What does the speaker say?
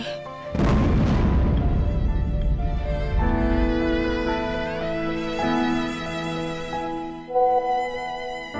saya bawa kamu ke seluruh kamar